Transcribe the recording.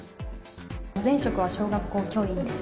前職は小学校教員です。